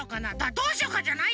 「どうしようか」じゃないよ。